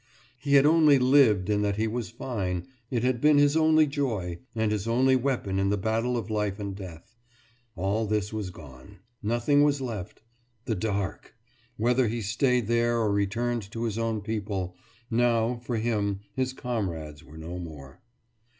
He had only lived in that he was fine, it had been his only joy, and his only weapon in the battle of life and death. All this was gone. Nothing was left. The Dark! Whether he stayed there or returned to his own people ... now, for him, his comrades were no more.